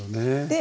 で